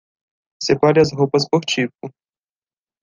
Separe as roupas por tipo.